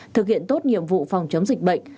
thực hiện tốt nhiệm vụ phòng chống dịch bệnh